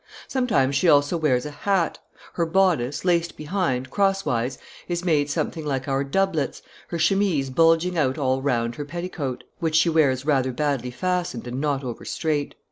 Sometimes she also wears a hat; her bodice, laced behind, crosswise, is made something like our doublets, her chemise bulging out all round her petticoat, which she wears rather badly fastened and not over straight.